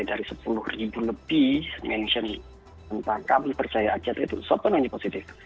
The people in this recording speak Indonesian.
dari sepuluh ribu lebih mention tentang kami percaya act itu sepenuhnya positif